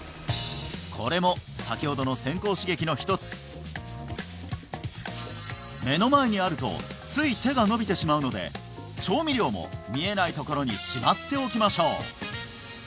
これも先ほどの先行刺激の一つ目の前にあるとつい手がのびてしまうので調味料も見えないところにしまっておきましょう